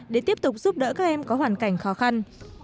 để tiếp tục giúp đỡ các em có hoàn cảnh khó khăn